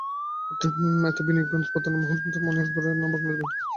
এতে বিনিয়োগ ও উৎপাদনে মন্থরতা এসেছে মনে করে না বাংলাদেশ ব্যাংক।